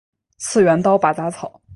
次元刀拔杂草